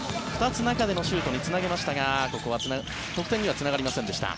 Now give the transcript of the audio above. ２つ、中でのシュートにつなげましたがここは得点にはつながりませんでした。